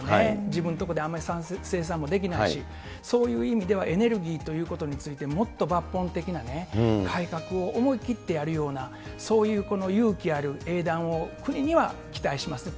自分の所であまり生産もできないし、そういう意味ではエネルギーということについて、もっと抜本的なね、改革を思い切ってやるような、そういう勇気ある英断を国には期待しますね。